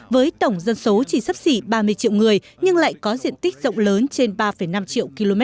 với tổng dân số chỉ sắp xỉ ba mươi triệu người nhưng lại có diện tích rộng lớn trên ba năm triệu km